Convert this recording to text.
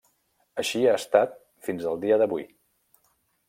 Així ha estat fins al dia d'avui.